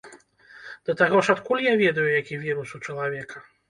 Да таго ж адкуль я ведаю, які вірус у чалавека?